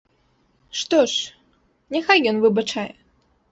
Што ж, няхай ён выбачае.